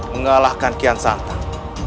mengalahkan kian santan